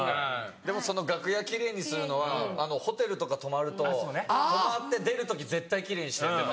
でもその楽屋奇麗にするのはホテルとか泊まると泊まって出る時絶対奇麗にして出ます。